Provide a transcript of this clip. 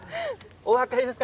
お分かりですか。